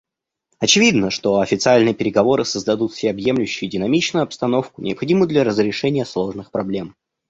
Очевидно, что официальные переговоры создадут всеобъемлющую и динамичную обстановку, необходимую для разрешения сложных проблем.